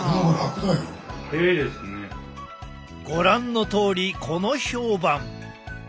ご覧のとおりこの評判！